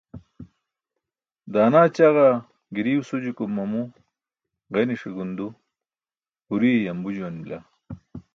Daana ćaġa giriw sujukum mamu, ġeniśe gundu, buriye yambu juwan bila.